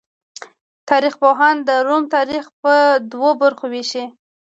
تاریخ پوهان د روم تاریخ په دوو برخو ویشي.